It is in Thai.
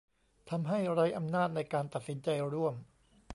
ทำให้ไร้อำนาจในการตัดสินใจร่วม